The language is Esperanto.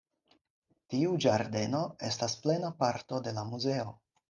Tiu ĝardeno estas plena parto de la muzeo.